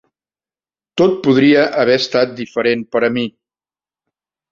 Tot podria haver estat diferent per a mi.